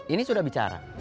ini sudah bicara